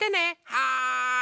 はい。